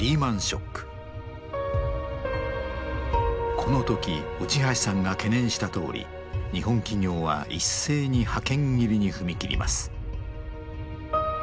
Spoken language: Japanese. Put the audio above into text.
この時内橋さんが懸念したとおり日本企業は一斉に派遣切りに踏み切ります。